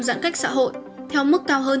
giãn cách xã hội theo mức cao hơn